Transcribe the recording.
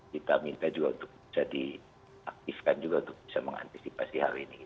kita minta juga untuk bisa diaktifkan juga untuk bisa mengantisipasi hal ini